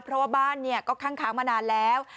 เพราะว่าบ้านก็คั่งค้างมานานแล้ว